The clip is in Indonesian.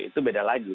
itu beda lagi